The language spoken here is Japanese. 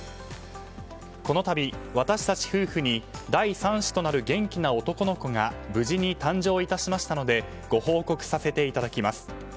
このたび、私たち夫婦に第３子となる元気な男の子が無事に誕生いたしましたのでご報告させていただきます。